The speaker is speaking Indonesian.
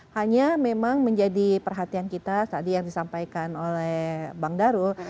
hanya memang menjadi perhatian kita tadi yang disampaikan oleh bang darul